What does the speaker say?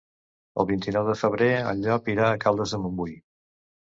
El vint-i-nou de febrer en Llop irà a Caldes de Montbui.